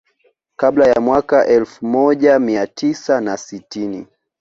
Kabla ya mwaka elfu moja mia tisa na sitini